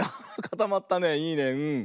いいねうん。